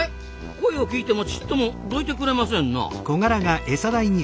声を聞いてもちっともどいてくれませんな。